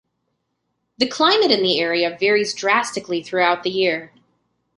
The climate in the area varies drastically throughout the year.